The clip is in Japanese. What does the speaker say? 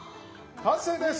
完成です！